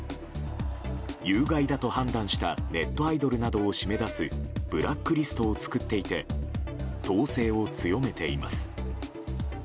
有害だと判断したネットアイドルなどを締め出すブラックリストを作っていて統制を強めています。